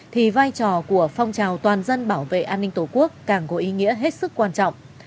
thì vai trò của phong trào toàn dân bảo vệ an ninh tổ quốc càng có ý nghĩa hết sức quan trọng